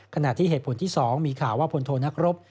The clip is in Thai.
ขณะที่เหตุผลที่๒มีข่าวว่าพลโทนักรบ